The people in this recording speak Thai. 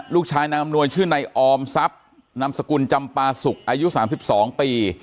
ลูกชายนางอำนวยชื่อนายออมซับนามสกุลจำปาสุกอายุสามสิบสองปี